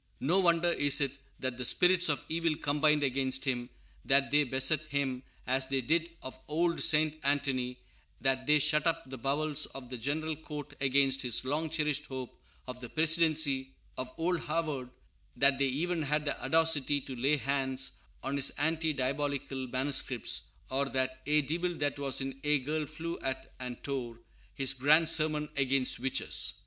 No wonder is it that the spirits of evil combined against him; that they beset him as they did of old St. Anthony; that they shut up the bowels of the General Court against his long cherished hope of the presidency of Old Harvard; that they even had the audacity to lay hands on his anti diabolical manuscripts, or that "ye divil that was in ye girl flewe at and tore" his grand sermon against witches.